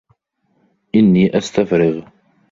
إني أستفرغ